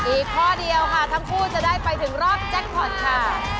อีกข้อเดียวค่ะทั้งคู่จะได้ไปถึงรอบแจ็คพอร์ตค่ะ